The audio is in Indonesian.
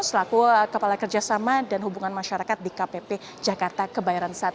selaku kepala kerjasama dan hubungan masyarakat di kpp jakarta kebayaran i